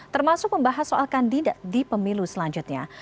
termasuk membahas soalkan tidak di pemilu selanjutnya